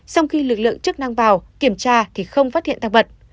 sau khi lực lượng chức năng vào kiểm tra thì không phát hiện tăng vật